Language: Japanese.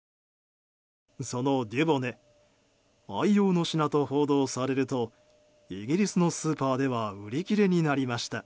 そのデュボネ愛用の品と報道されるとイギリスのスーパーでは売り切れになりました。